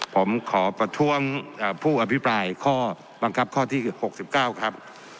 ผมขอประท้วงผู้อภิปรายข้อบังคับข้อที่๖๙ครับ